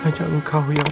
hanya engkau yang